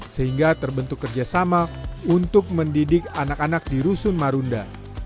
sehingga terbentuk kerjasama untuk mendidik anak anak di rusun marunda